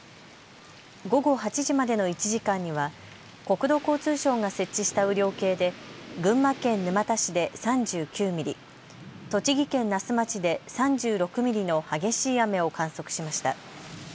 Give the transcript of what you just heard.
午後８時までの１時間には国土交通省が設置した雨量計で群馬県沼田市で３９ミリ、栃木県那須町で３６ミリの激しい雨を観測しました。